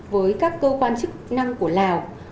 với các cơ quan chức năng của lào